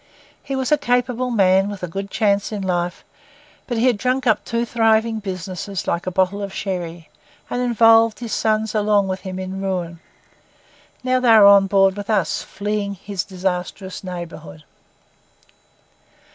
He was a capable man, with a good chance in life; but he had drunk up two thriving businesses like a bottle of sherry, and involved his sons along with him in ruin. Now they were on board with us, fleeing his disastrous neighbourhood.